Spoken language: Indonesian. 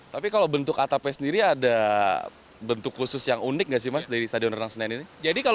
tapi kalau bentuk atapnya sendiri ada bentuk khusus yang unik nggak sih mas dari stadion renang senen ini